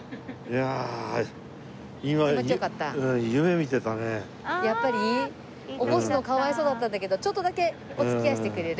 やっぱり？起こすのかわいそうだったんだけどちょっとだけお付き合いしてくれる？